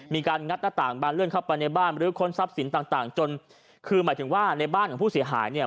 งัดหน้าต่างบานเลื่อนเข้าไปในบ้านหรือค้นทรัพย์สินต่างต่างจนคือหมายถึงว่าในบ้านของผู้เสียหายเนี่ย